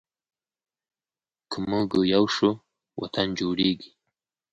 که مونږ یو شو، وطن جوړیږي.